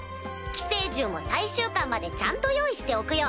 『寄生獣』も最終巻までちゃんと用意しておくよ。